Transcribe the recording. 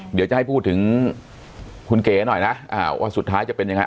เดี๋ยวจะให้พูดถึงคุณเก๋หน่อยนะว่าสุดท้ายจะเป็นยังไง